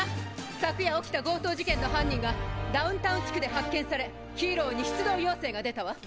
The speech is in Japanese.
昨夜起きた強盗事件の犯人がダウンタウン地区で発見されヒーローに出動要請が出たわ。